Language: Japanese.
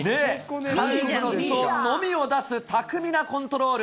韓国のストーンのみを出す巧みなコントロール。